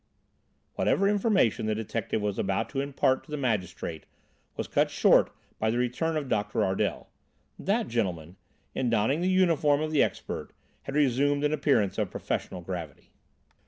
Whatever information the detective was about to impart to the magistrate was cut short by the return of Doctor Ardel. That gentleman, in donning the uniform of the expert, had resumed an appearance of professional gravity.